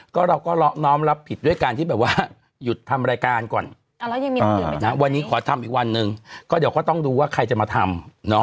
ก็เราก็น้อมรับผิดด้วยการที่แบบว่าหยุดทำรายการก่อนนะวันนี้ขอทำอีกวันหนึ่งก็เดี๋ยวก็ต้องดูว่าใครจะมาทำ